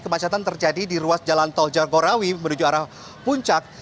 kemacetan terjadi di ruas jalan tol jagorawi menuju arah puncak